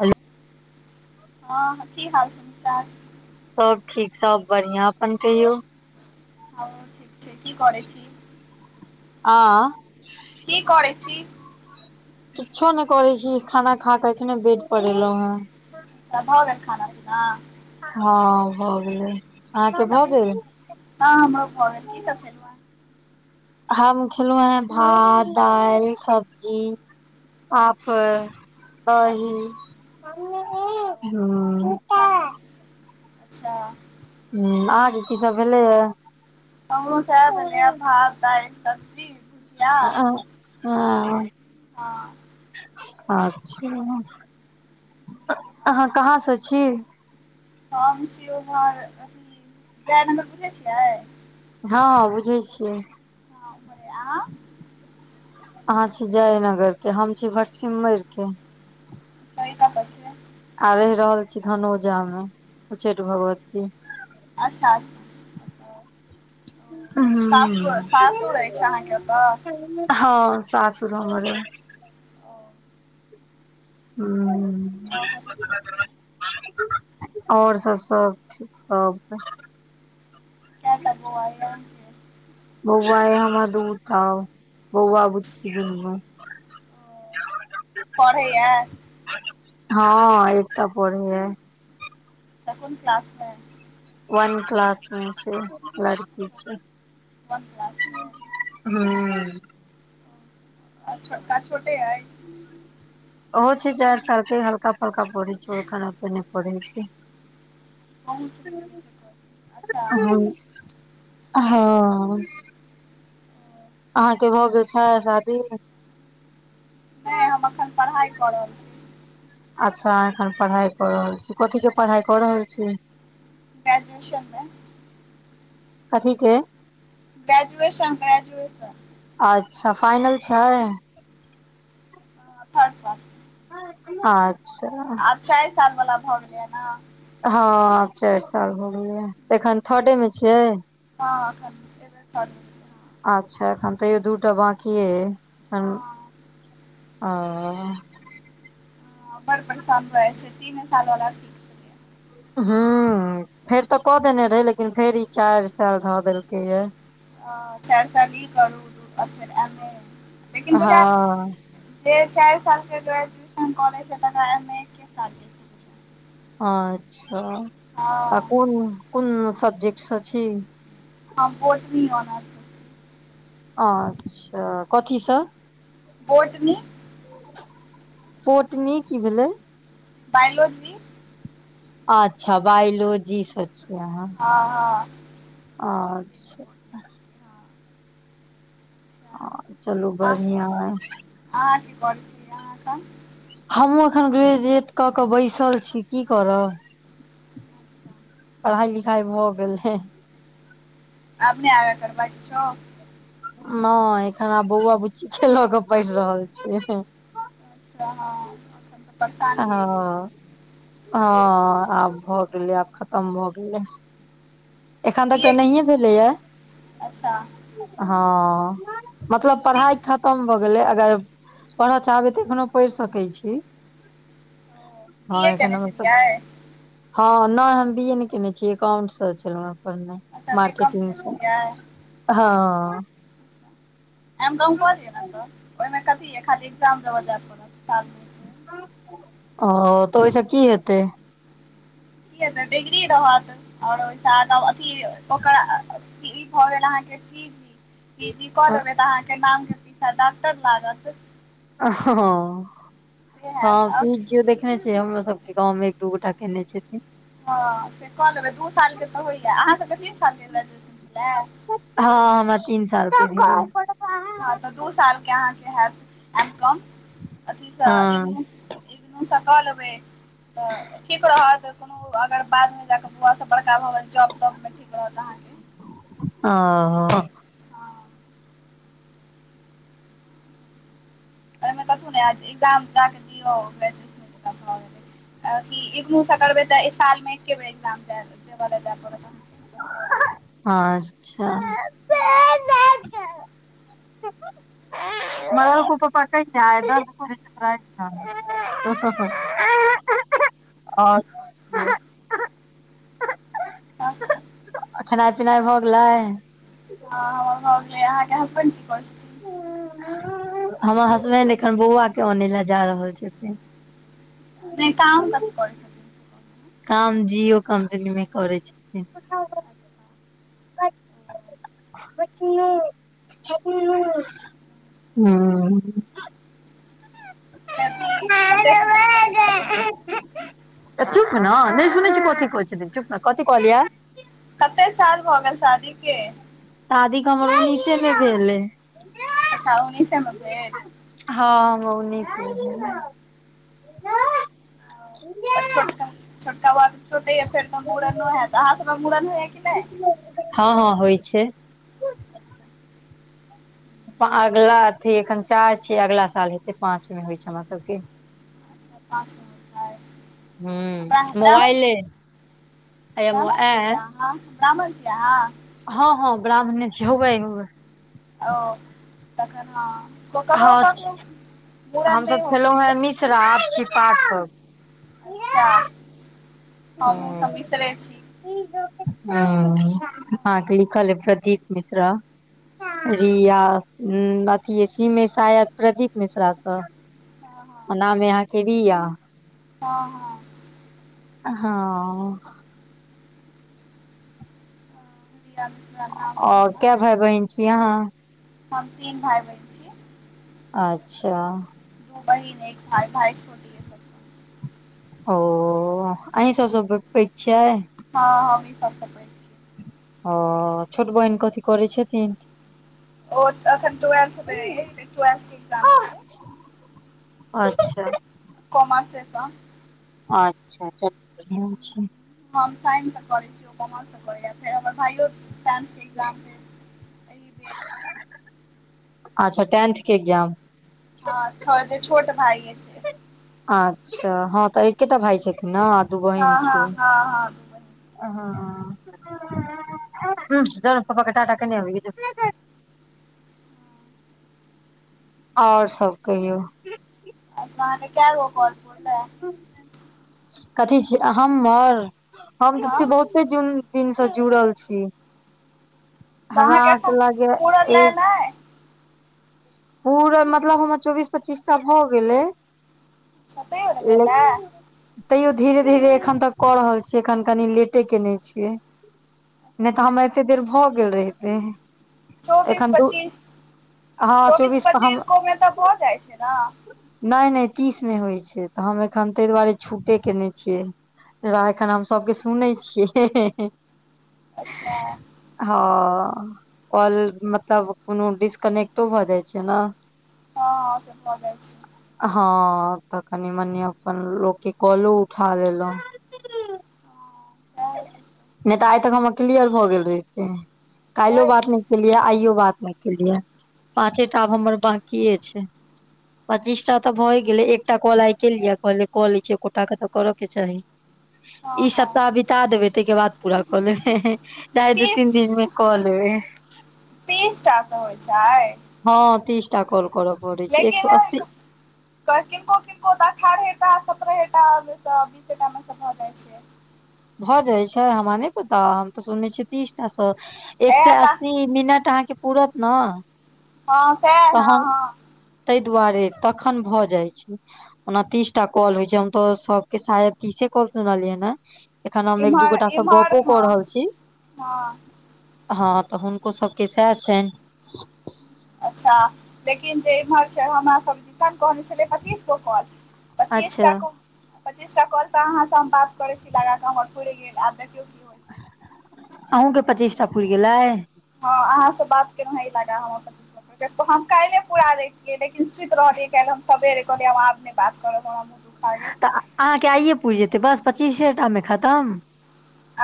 हलो हँ हँ की हाल समाचार? सब ठीक सब बढ़िया अपन कहियौ? हमु ठीक छी। की करैय छी? आं की करै छी? किछो नहि करै छी खाना खा कऽ एखने बेेड पर एलहुं हैं। अच्छा भऽ गेल खाना पीना। हँ भऽ गेलै की अहाँके सब भऽ खेल? गेलै? हँ हमरो भऽ गेल की सब खेलहु हँ। हम खेलौह हैं भात, दालि, सब्जी। पापर, हेँ अच्छा दही, हूँ। [unintelligible] अच्छा। हूँ अहाँके की सब भेलैया? हमरो सेहेए भेलैया भात, दालि, सब्जी। भुजिया आ हँ। हँ। अच्छा, अहाँ कहाँ स छी? हम छी उम्हर अथी जायनगर बुझै छियै? हँ बुझै छियै। हँ उम्हरे आहाँ। अहाँ छी जयेनगर के हम छी भटसिमैर के। अच्छा ई कतऽ छै? आ रहि रहल छी धनोजा मे उच्चैठ भगवती। अच्छा अच्छा। ओतऽ। ओ, हूं सासुर सासुर अछि अहाँके ओतऽ? हँ सासुर हमर अइ। ओ हूँ। [inaudible] और सब सब ठीक सब। केए टा बौआ या? बौआ अइ हमरा दूटा बौआ अच्छा बुच्ची दुनू। [unintelligible] पढ़ैया। [unintelligible] हँ एकटा पढ़ैया। [unintelligible] अच्छा कुन क्लासमे। [unintelligible] वन क्लास मे छै लड़की अच्छा छै। [unintelligible] वन क्लासमे। [unintelligible] हूँ। [unintelligible] आ छोटका छोटे अछि। [unintelligible] ओहो छै चार सालके हलका। [unintelligible] हल्का फल्का परहै छै ओ एखन एते नै परहै पहुँच छै। नहीं अच्छा [unintelligible] हूँ हँ। [unintelligible] अहाँके भऽ गेल छै शादी। [unintelligible] नहि हम अखन पढ़ाइ कऽ रहल छी। [unintelligible] अच्छा अहाँ एखन पढ़ाई कऽ रहल छी कथी के पढ़ाई कऽ रहल छी। [unintelligible] ग्रेजुएशनमे। [unintelligible] कथिके। [unintelligible] Graduation graduation. [unintelligible] अच्छा फाइनल छै। [unintelligible] हँ थर्ड पार्ट। [unintelligible] आ। [unintelligible] आब चारि साल वला भऽ गेलै नऽ। [unintelligible] हँ आब चारि साल हो गेलया त एखन थडे मे छियै। [unintelligible] हँअखन एकबेर थर्ड। [unintelligible] अच्छा एखन तैयो दूटा बाकि ये। हँ आ। बड़ परेशान भए जाइ छै तीने साल वालला। हूं फेर तऽ कऽ देने रहे लेकिन फेर ई चारि साल ध देलकै ये। चारि साल ई करू फेर एम ए लेकिन हँ बुझाएल जे चारि साल के ग्रेजुएशन क ले छै तकरा एम ए। एके सालके छै बुझाइये अच्छा तऽ हँ कोन कोन सब्जेक्ट से छी। हम बोटनी से। अच्छा कथिसँ बोटनी। पोटनी कि भेलै। बायोलॉजी। अच्छा बायोलॉजी से छियै अहाँ। हँ हँ। बायोलॉजी अच्छा। मे बोटनी छी। हँ ह अच्छा चलू अहाँ बढ़िआं है। अहाँ की करै छी अहाँ एखन हमहुँ एखन ग्रेजुएट कऽ कऽ बैसल छी की करब। अच्छा पढ़ाई लिखाइ भऽ गेल हे। आब ने अगा करबै किछौ। नहि एखन आ बौआ बुच्ची के लऽ के पढ़ि रहल छियै। [unintelligible] अइ हां-हां आब भऽ गेलै, आब खत्म भऽ गेलै। एखन तक बी तै ए नहिए केने भेलै यै अच्छा हां। मतलब बी पढ़ाय खत्म भऽ गेलै अगर पढ़ा चाहबै तऽ एखनो पढ़ सकय छी। ओ हां बी ए एखन केने हमर सब छलियै हां नै हम बी ए नै केनय छीयै एकाउंट से छै। केलौ यै पर नै अच्छा बी कॉम मार्केटिंग केने से छियै हां। अच्छा एम कॉम क लिअ नै त ओय मे कथी यै खाली एग्जाम देबा जाय परत साल मे औ तै ओय से की हेतै? की हेतय डिग्री रहत और ओय साथ अब अथी ओकरा अ-अ ई भऽ गेल अहाँके पी जी। पी जी कऽ हँ लेबै तऽ अहाँके नाम के पीछा डाक्टर लागत। से हां हैत आओर पी जी यो देख देखने छीयै हमरो सबके गाँव मे एक दू गोटा केनय छथिन। हां से कऽ लेबै दू सालके तऽ होय यै अहाँ सबके तीन सालके ग्रेजुऐशन छलय यै। हां हमरा तीन साल के [unintelligible] हां तै दू साल के अहाँके हैत एम कम अथी से हँ इग्नू इग्नु से कऽ लेबै तऽ ठीक रहत कुनु अगर बाद मे जाए के बौआ सब बड़का भ गेल जॉब-तॉब मे तऽ ठीक रहत अहाँके। औ हां। ऐमे कथु नै ऐत इग्जाम जा कै दियौ फेर [unintelligible] अथि इग्नू से करबै तै एक साल मे एके बेर एग्जाम जाय देबा लै जाय पड़त अहां कै। अच्छा [unintelligible] मारलको पप्पा कहीया आय दर्द करे छो तोरा आय खना। [unintelligible] हँ अ खेनाय-पिनाय भऽ गेलै? हां हमर भऽ गेलैष अहाँके हसबैंड की करै छै? हमर हसबैंड एखन बौआ के आनै लै जा रहल छथिन। छथिन नहि काम कथी करै छथिन से कहलहुँ हेँ काम जियो कम्पनी मे करै छथिन। अच्छा ओ मट छ [inaudible] हूं। कते साल भ गेल शादी के? त चुप नै, नै सुनय छीयै कथी कहै छलै, चुप ने कथी कहलियै? कते साल भऽ गेल शादी के? शादी तै हमर उनिसे में भेलै अच्छा उनिसे में भेल हां-हां उनिसे में भेल अ छोटका-छोटका बाबू छोटे यै फेर तऽ मूड़नो हैत, अहाँ सबमें मूड़न होय यै कि नै? हां-हां होय छै। पा अगला अथी एखन चाएर छै अगला साल हेतै, पाँच मे होय छै हमरा सबके। अच्छा पाँच गो छै ब्राह्मण हूं ब्राह्मण छी मोबाइलै। [unintelligible] हां ब्राह्मण छी आहां? हां-हां ब्राह्मणे छी, हौवे-हौवे। औ तखन हां क ककरो-ककरो हम सब छेलौ हेंँ मिश्रा आब छी पाठक- अच्छा हमहुँ सब मिश्ररे छी- हँ आहाँ के हँ लिखल अइ खती मिश्रा- रिया हूँ अथी सीम में शायद प्रदीप मिश्रा सँ। हँ हँ आ नाम या आहाँके रिया हँ, हँ, अ हँ, रिया मिश्रा नाम- अइ और केए हमर भेए बहिन छी आहाँ? हम तीन भाय बहिन छी। अच्छा बहिन एक भाय- भाय छोट है सब सँ। ओ अहि सब सँ पैघ छियै। हँ हमहीं सबसँ पैघ छियै। ओ छोट बहिन कथी करै छथिन? ओ अखन तऽ वएह। [unintelligible] अच्छा कोमासेसन अच्छा चलू बढ़िआँ छै। हम साइंस से करे छियै ओ कॉमर्स सँ करेैया फेर हमर भाइयो टेंथ के एक्जाम देत। एहि बेर अच्छा टेंथ के एग्जाम। हँ, छ से छोट भाईय ये से- अच्छा हँ तऽ एकेटा भाय छथिन ने आ दू हँ बहिन हँ छियै। हँ हँ दू बहिन छी हँ पियूष जो पापा के टाटा केने अबहीं जो। और सब कहियौ। अच्छा आहाँके केगो कॉल पुरुलया? कथी छी हमर हम तऽ हँ छी बहुत- के जुन दिन से जुड़ल छी तऽ हमरा अहाँके एखन आहाँके लागैया पुरल एक- नै पूरा मतलब हमर चौबीस पच्चीसटा भऽ गेलै। सतेर ले भेल आ? तैयो धीरे़- धीरे एखन तक कऽ रहल छियै एखन कनि लेटे केने छियै। अच्छा नहि तऽ, धीरे हमर धीरे एते होइ देर छै भऽ गेल रहितेै चौबीस एखन दू- पच्चीस चौबीस पच्चीस गो मे तऽ भऽ जाय छै न? नैय- नैय तीस मे होय छै तऽ हम एखन तैय दुआरे छूटे केने छियै। तैय दुआरे एखन हम सबके सुनै छियै हं- हं-हं। अच्छा हँ काॅल मतलब कोनो डिसकनेक्ट। तो भऽ जाय छै नऽ। हँ हँ ओ सब भऽ जाय छै। हँ तऽ कनि -मनि अपन लोक के कॉलो उठा लेलौ। हँ नै तऽ आय तक हमर क्लियर भऽ गेल रहितेै कैल्हो बढ़ बात नै। केलियै आइयो बात नै केलियै पाँचेटा आब हमर बाकिेये छै। ह पच्चीसटा तऽ भए गेलै एकटा कॉल आय केलियै कहलियै कअ लै छी एकोटा के तऽ करऽ के चाही। हँ ई सप्ताह हँ बिता देबेै तैयके बाद पूरा कऽ लेबेै है चाहे दू तीस तीन दिन मे- क लेबै। तीसटा स हौय छाय। हँ तीस टा कॉल करब। लेकिन ने क किनको - किनको तऽ अठारहेटा, सत्रहेटामे सँ बीसेटा मे सँ भऽ जाइ छै। भऽ जाइ छै, हमरा नै पता हम तऽ सुनै छियै तीसटा स, एक इएह से तऽ अस्सी मिनट अहाँके पूरत न ह सैह, ह - ह। तै दुआरे तखन भऽ जाइ छै। ओना तीस टा कॉल होइ छै, हम तऽ सबके शायद तीसे कॉल सुनलियैन हे। एखन हम एक दू इम्हर गोटा स इम्हर गपो कऽ हँ रहल छी। हँ ह तऽ हुनको सबके सैह छैन। अच्छा। लेकिन जे इम्हर छै हमरासब किसन कहने छेलै पच्चीस गो कॉल। अच्छा पचीसटा क पच्चीसटा कॉल तऽ आहाँ सँ हम बात करै छी लगाकऽ हमर पूरि गेल। आब देखियौ कि अहूँ के पचीसटा पुइर गेलाय? ह आहाँ स बात केलहुँ हें इलगा हमर पच्चीस। हम काइले पूरा लैतियै, लेकिन सुइत रहलियै कैल हम सबेरे कहलियै, हम आब नै बात करब हम। [unintelligible] त अहाँके आइये पुइर जेतै, बस पच्चीसेटा मे खतम?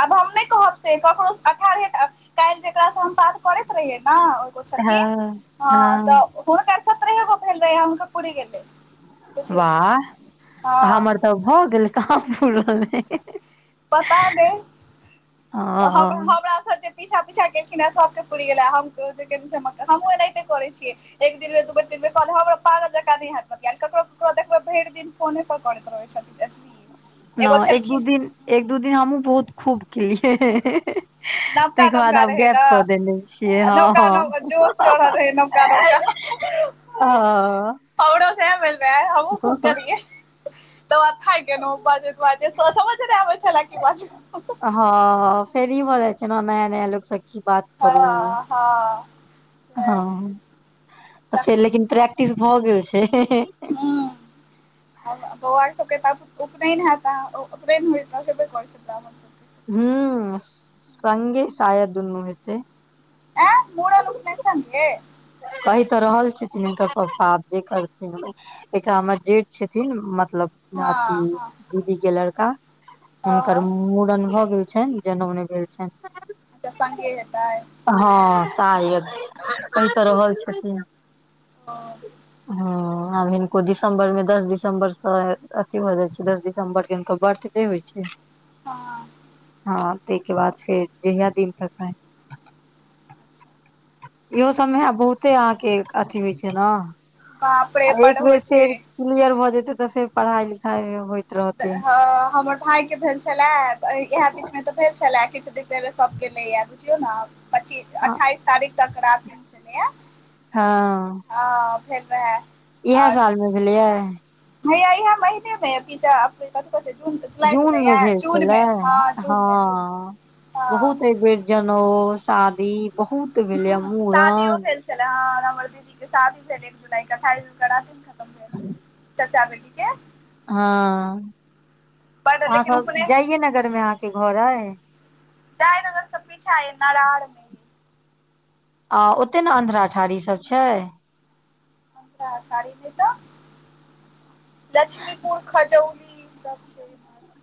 आब हम नै कहब से, ककरो अठारहे टा कैइल जेकरा स हम बात करैत रहियै न ओ हँ छथिन, ह हँ तऽ हुनका सत्रहे गो भेल रहे ह हुनकर पूइर गेलै। बुझियौ हँ वाह हमर तऽ भऽ गेलै कहा पुरले। पता नै हम - हँ हमरा स जे पीछा - पीछा केलखिन हेँ सबके पुइर गेलै हम हमहु एनाहिते करै छियै। एक दिनमे दू बेर, तिन बेर क ले हम पागल जेका नै हेत केल, ककरो- ककरो देखबै भैर दिन फोने पर करैत रहै छथिन एतबी। न एगो एक दू छलखिन दिन, एक दू दिन हमहुँ बहुत खूब केलिये। नवका - नवका रहै न, छियै हँ नौका नौ जोश चढ़ल रहै नवका नौका। हँ हमरो सेहे भेल रेहे हमहू खूब हँ केलिए। त बाद थाय गेलऊ बाजैत - बाजैत सऽ समझे नै आबै छले की बाजू। ह- ह फेर इ भऽ जाय छै न, नया - नया लोक स की बात करू। हँ हँ ह सैह तऽ फेर लेकिन प्रैक्टिस भऽ गेल छै। हु। बोआ आर सब के त उपनैन हेत, ओ उपनेेन हेबे करै छै ब्राम्हण सब हू संगे सायद दूनू हेतै। ए मूड़न उपनैन संगे। कैह तऽ रहल छथिन हिनकर पप्पा आब जे करथिन। एकटा हमर जेठ छथिन मतलब दादी, हँ हँ दीदी के लड़का हुनकर हँ मूड़न भ गेल छैन। जनऊ नै भेले छैन। त संगे हेताय? हँ सायद कहि तऽ रहल ओ छथिन। हँ। ह आब हिनको दिसम्बर में, दस दिसम्बर स अथी भऽ जाय छै, दस दिसम्बर के हुनकर बर्थ से होय छै, अच्छा, हँ तै के बाद फेर जहिया दिन तकाय। अच्छा। इहो सबमेब बहुते अहाँके अथी होइ छै न बाप रे आ बड एक बेर होइ छै फेर। क्लियर भऽ जेते तऽ फेर पढ़ाई लिखाइ हो। हमर भाई के भेल छलए, इएह बीच मे तऽ, भेल छलए किछु दिन ताई मे सब गेलेए बुझियौ ने पच्चीस अठाईस तारीख तक रातिम छलैया। हँ। ह फेर वै। इएह साल मे भेलिये। हाईया इहे महीने मे ऐ भिजा। गई कतअ छय जून जुलाई सब जून मे य भेल छलै जूनमे हँ जून मे जून। हँ बहुत अइबैर जनऊ शादी बहुत। भेलैये ह शादीयौ मूड़न भेल छलै, ह हमर दीदी के शादी भेल एक जुलाई के अठाइ जून क रातिम खतम भेल। ह। चचा बेटी के। हँ बड अहाँ लेकिन सब उपने जाइये नगरमे अहाँके घर अइ। जयनगर स पीछा ए नरार आ ओते ने अन्ध्रा ठारी सब छै। अंधरा ठारी कतह [inaudible] लक्ष्मीपुर खजोली सब ठीक।